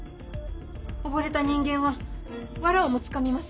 溺れた人間は藁をもつかみます。